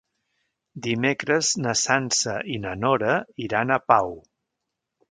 Dimecres na Sança i na Nora iran a Pau.